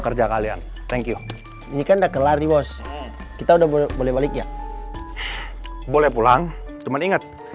kerja kalian thank you ini kan udah kelar di bos kita udah boleh baliknya boleh pulang cuman ingat